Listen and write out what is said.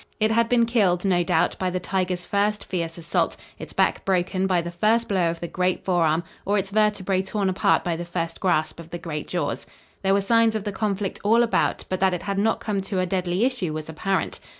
It had been killed, no doubt, by the tiger's first fierce assault, its back broken by the first blow of the great forearm, or its vertebrae torn apart by the first grasp of the great jaws. There were signs of the conflict all about, but that it had not come to a deadly issue was apparent.